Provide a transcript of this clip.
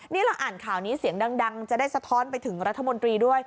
นี่เราอ่านข่าวนี้เสียงดังจะได้สะท้อนไปถึงรัฐมนตรีด้วย